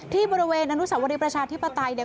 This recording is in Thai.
ที่บริเวณอนุสาวริประชาธิปไตย